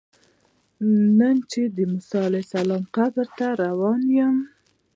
نن چې د موسی علیه السلام قبر ته روان یم.